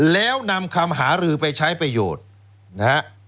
แล้วนำคำหารือไปใช้ประโยชน์นะฮะ